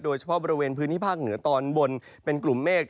โดยเฉพาะบริเวณพื้นที่ภาคเหนือตอนบนเป็นกลุ่มเมฆ